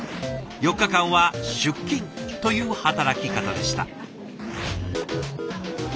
４日間は出勤という働き方でした。